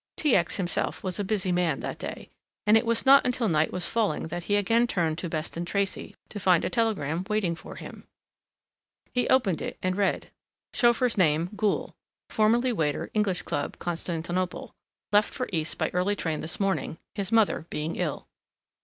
T. X. himself was a busy man that day, and it was not until night was falling that he again turned to Beston Tracey to find a telegram waiting for him. He opened it and read, "Chauffeur's name, Goole. Formerly waiter English Club, Constantinople. Left for east by early train this morning, his mother being ill."